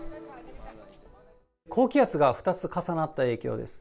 高気圧が２つ重なった影響です。